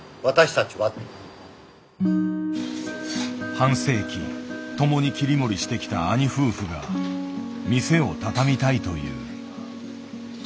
半世紀共に切り盛りしてきた兄夫婦が店を畳みたいという。